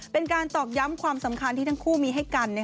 ตอกย้ำความสำคัญที่ทั้งคู่มีให้กัน